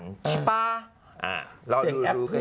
ใช่ป่ะ